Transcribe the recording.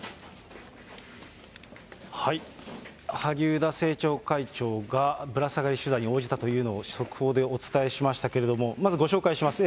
萩生田政調会長がぶら下がり取材に応じたというのを速報でお伝えしましたけれども、まずご紹介します。